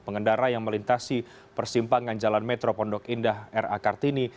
pengendara yang melintasi persimpangan jalan metro pondok indah r a kartini